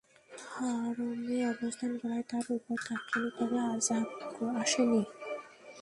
হারমে অবস্থান করায় তার উপর তাৎক্ষণিকভাবে আযাব আসেনি।